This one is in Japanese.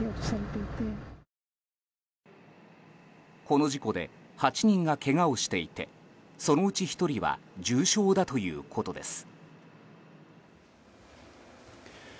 この事故で８人がけがをしていてそのうち１人は重傷だということです。